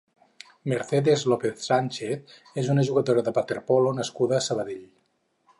Mercedes López Sánchez és una jugadora de waterpolo nascuda a Sabadell.